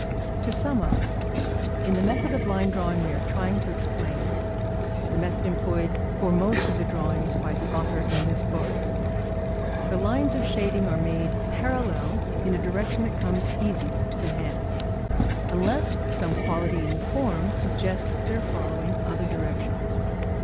] To sum up, in the method of line drawing we are trying to explain (the method employed for most of the drawings by the author in this book) the lines of shading are made parallel in a direction that comes easy to the hand, unless some quality in the form suggests their following other directions.